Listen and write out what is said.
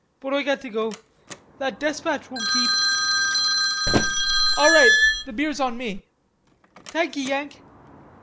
But Oi got to go; that despatch won't keep." "All right. The beer's on me." "Thank ye, Yank."